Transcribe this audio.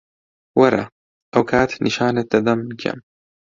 وەرە، ئەو کات نیشانت دەدەم من کێم.